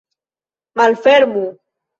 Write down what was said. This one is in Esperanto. Malfermu!